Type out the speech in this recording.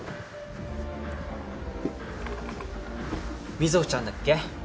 水穂ちゃんだっけ？